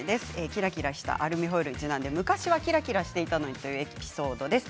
キラキラしたアルミホイルにちなんで昔はキラキラしていたのにというエピソードです。